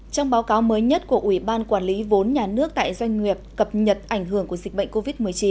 trong báo cáo mới nhất của ủy ban quản lý vốn nhà nước tại doanh nghiệp cập nhật ảnh hưởng của dịch bệnh covid một mươi chín